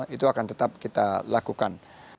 itu akan tetap kita lakukan